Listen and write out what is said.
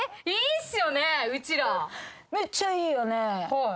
はい。